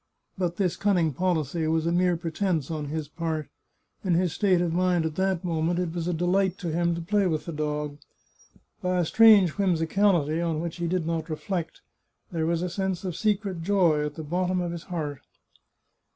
But this cunning policy was a mere pretence on his part. In his state of mind at that moment, it was a delight to him to play with the dog. By a strange whimsicality, on which he did not reflect, there was a sense of secret joy at the bottom of his heart.